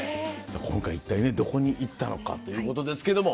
今回一体どこに行ったのかということですけども。